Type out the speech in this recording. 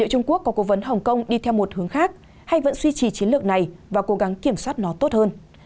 hồng kông đi theo một hướng khác hay vẫn suy trì chiến lược này và cố gắng kiểm soát nó tốt hơn